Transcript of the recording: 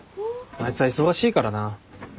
あいつは忙しいからな。